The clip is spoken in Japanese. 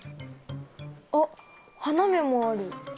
あっ花芽もある。